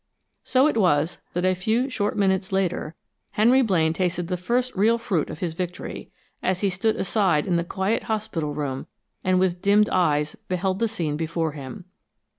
So it was that a few short minutes later, Henry Blaine tasted the first real fruit of his victory, as he stood aside in the quiet hospital room, and with dimmed eyes beheld the scene before him.